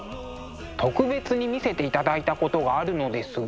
特別に見せていただいたことがあるのですが。